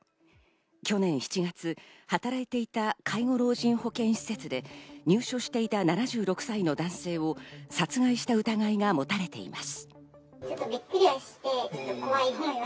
去年７月、働いていた介護老人保健施設で入所していた７６歳の男性を殺害した疑いがもたれています。